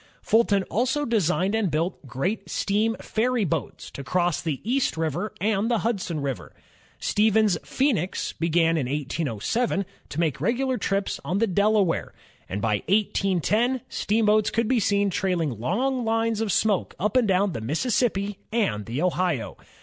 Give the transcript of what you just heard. Fulton also designed and built great steam ferry boats to cross the East River and the Hudson River. Stevens's Phoenix began in 1807 to make regular trips on the Delaware, and by 18 10 steamboats could be seen trailing long lines of smoke up and down the Mississippi and the Ohio.